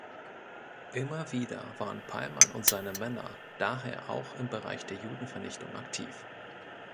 Immer wieder waren Pallmann und seine Männer daher auch im Bereich der Judenvernichtung aktiv.